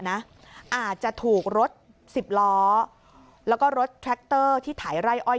อาจจะถูกรถสิบล้อแล้วก็รถแทรคเตอร์ที่ถ่ายไร่อ้อย